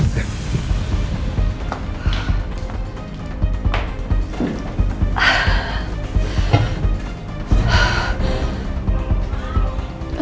ini kenapa sih